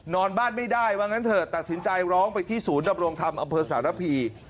นอนบ้านไม่ได้ว่างั้นเถอะตัดสินใจร้องไปที่ศูนย์ดำรงธรรมอำเภอสารพี